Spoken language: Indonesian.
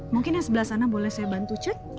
mungkin yang sebelah sana boleh saya bantu cek